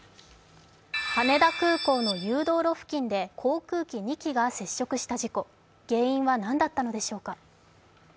羽田空港の誘導路付近で航空機２機が接触した事故、原因は何だったのでしょうか。